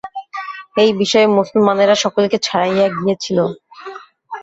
এই বিষয়ে মুসলমানেরা সকলকে ছাড়াইয়া গিয়াছিল।